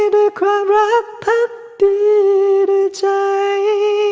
ด้วยความรักภักดีในใจ